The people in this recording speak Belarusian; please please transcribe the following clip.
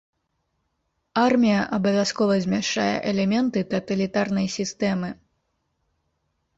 Армія абавязкова змяшчае элементы таталітарнай сістэмы.